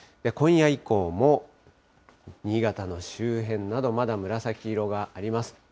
今夜以降も、新潟の周辺など、まだ紫色があります。